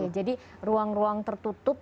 jadi ruang ruang tertutup